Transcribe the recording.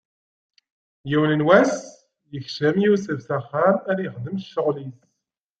Yiwen n wass, ikcem Yusef s axxam ad ixdem ccɣwel-is.